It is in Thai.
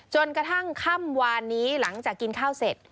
จนกระทั่งค่ำวานนี้หลังจากกินข้าวเสร็จ